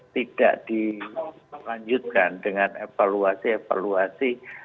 tidak dilanjutkan dengan evaluasi evaluasi